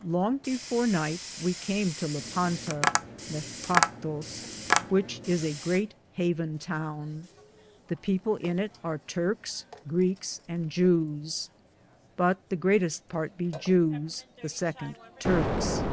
Longe before nyghte we came to Lippanta, whiche is a greate haven toune. The people in it ar Turkes, Greekes, and Jues (Jews) ; but the greateste parte be Jues, the second Turkes.